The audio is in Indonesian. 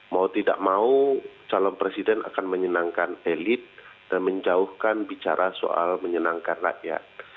mau tidak mau calon presiden akan menyenangkan elit dan menjauhkan bicara soal menyenangkan rakyat